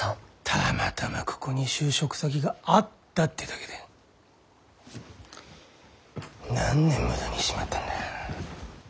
たまたまここに就職先があったってだけで何年無駄にしちまったんだ。